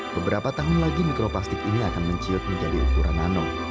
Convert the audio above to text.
beberapa tahun lagi mikroplastik ini akan menciut menjadi ukuran nano